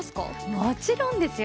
もちろんですよ。